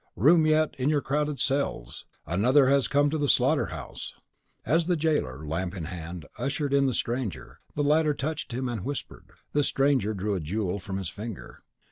Room yet in your crowded cells. Another has come to the slaughter house. As the jailer, lamp in hand, ushered in the stranger, the latter touched him and whispered. The stranger drew a jewel from his finger.